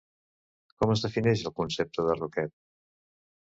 Com es defineix el concepte de roquet?